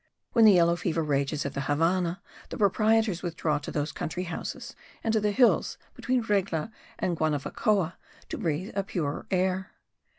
When the yellow fever rages at the Havannah the proprietors withdraw to those country houses and to the hills between Regla and Guanavacoa to breathe a purer air.